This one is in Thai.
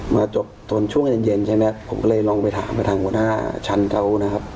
มาจบตอนช่วงเย็นเย็นใช่ไหมผมก็เลยลองไปถามไปทางหัวหน้าชั้นเขานะครับ